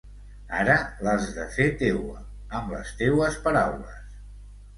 Ara l'has de fer teua, amb les teues paraules.